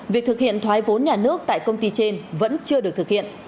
việc thực hiện thoái vốn nhà nước tại công ty trên vẫn chưa được thực hiện